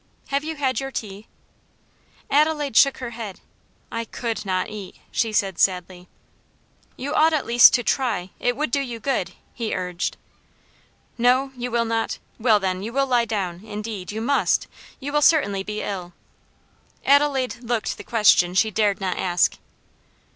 Have you had your tea?" Adelaide shook her head. "I could not eat," she said sadly. "You ought at least to try; it would do you good," he urged. "No, you will not? well, then, you will lie down; indeed, you must; you will certainly be ill." Adelaide looked the question she dared not ask.